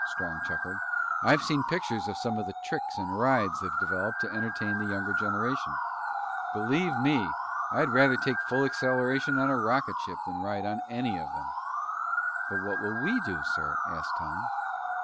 Strong chuckled. "I've seen pictures of some of the tricks and rides they've developed to entertain the younger generation. Believe me, I'd rather take full acceleration on a rocket ship than ride on any of them." "But what will we do, sir?" asked Tom.